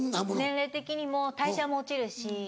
年齢的にも代謝も落ちるし。